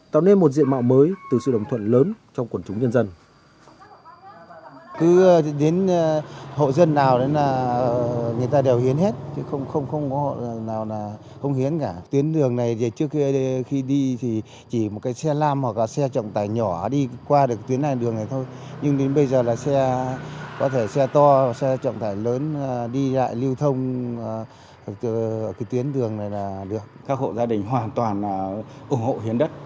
tạo nên một diện mạo mới từ sự đồng thuận lớn trong quần chúng nhân dân